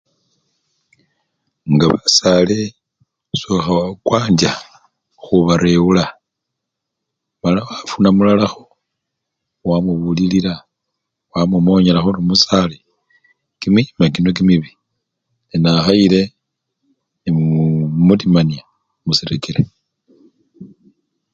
Ngomusali osokha kwanja khubarewula mala wafuna mulalakho wamubulilila, wamumonyelakho ori musale, kimima kino kimibi nenakhayile nee mumutimanya musirekere.